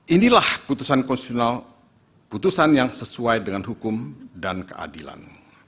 inilah putusan konstitusional putusan yang sesuai dengan hukum dan keadilan